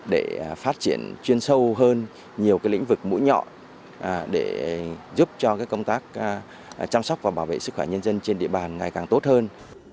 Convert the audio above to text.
để phát triển chuyên sâu hơn nhiều lĩnh vực mũi nhọn để giúp cho công tác chăm sóc và bảo vệ sức khỏe nhân dân trên địa bàn ngày càng tốt hơn